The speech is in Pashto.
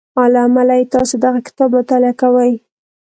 له امله یې تاسې دغه کتاب مطالعه کوئ